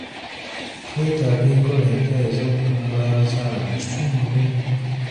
Twetaaga enkola empya ez'okutumbula abakyala mu kitundu.